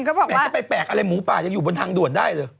แหมจะไปแปลกอะไรหมูป่ายังอยู่บนทางด่วนได้เลย